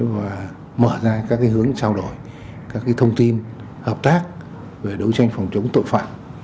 và mở ra các hướng trao đổi các thông tin hợp tác về đấu tranh phòng chống tội phạm